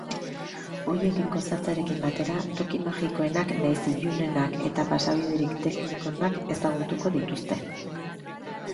Horiek gozatzearekin batera, toki magikoenak nahiz ilunenak eta pasabiderik teknikoenak ezagutuko dituzte.